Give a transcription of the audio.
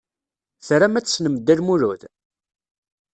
Tram ad tessnem Dda Lmulud?